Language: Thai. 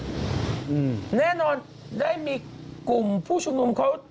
อืมแน่นอนได้มีกลุ่มผู้ชุมนุมเขา